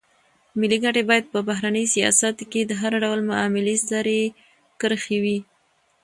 ملي ګټې باید په بهرني سیاست کې د هر ډول معاملې سرې کرښې وي.